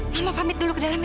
mama pamit dulu kedalam ya